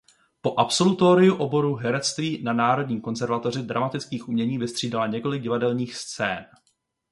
Po absolutoriu oboru herectví na Národní konzervatoři dramatických umění vystřídala několik divadelních scén.